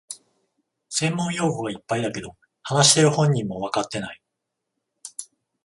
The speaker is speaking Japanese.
専門用語がいっぱいだけど、話してる本人もわかってない